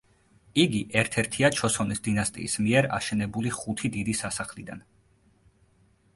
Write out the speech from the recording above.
იგი ერთ-ერთია ჩოსონის დინასტიის მიერ აშენებული „ხუთი დიდი სასახლიდან“.